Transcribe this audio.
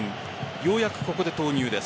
ようやくここで投入です。